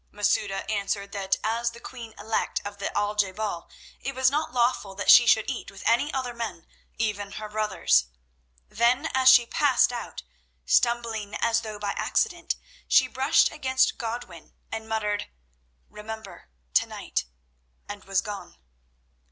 Masouda answered that as the queen elect of the Al je bal it was not lawful that she should eat with any other men, even her brothers. Then as she passed out, stumbling as though by accident, she brushed against Godwin, and muttered: "Remember, to night," and was gone.